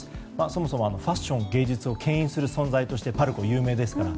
そもそもファッション、芸術を牽引する存在としてパルコは有名ですから。